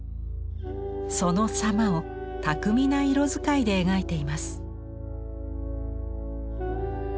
そのさまを巧みな色遣いで描いています。